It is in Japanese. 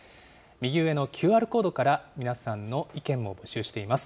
右上のＱＲコードから、皆さんの意見も募集しています。